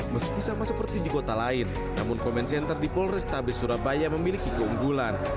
meski sama seperti di kota lain namun comment center di polrestabes surabaya memiliki keunggulan